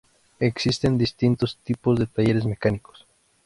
Existen distintos tipos de talleres mecánicos.